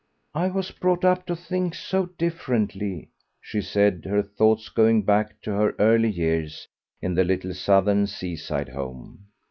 "I was brought up to think so differently," she said, her thoughts going back to her early years in the little southern seaside home.